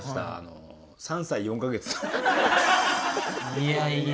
いやいや。